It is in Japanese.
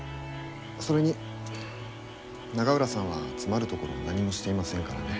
それに永浦さんは詰まるところ何もしていませんからね。